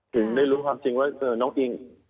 ถึงได้ลุ้นความจริงว่าน้องอิง